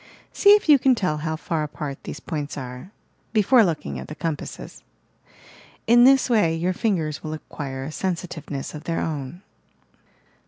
See if you can tell how far apart these points are, — before looking at the compasses. In this way your fingers will acquire a sensitiveness of their own.